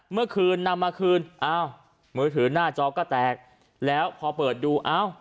เมื่อคืนนำมาคืนอ้าวมือถือหน้าจอก็แตกแล้วพอเปิดดูเอ้า